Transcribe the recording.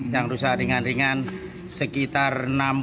yang rusak ringan ringan sekitar enam puluh